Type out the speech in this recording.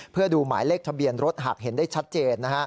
เพื่อดูหมายเลขทะเบียนรถหากเห็นได้ชัดเจน